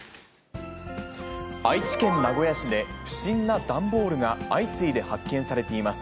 愛知県名古屋市で、不審な段ボールが相次いで発見されています。